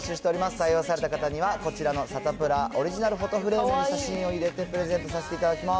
採用された方にはこちらのサタプラオリジナルフォトフレームに入れて写真をプレゼントさせていただきます。